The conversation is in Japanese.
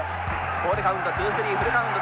ボールカウントツースリーフルカウント。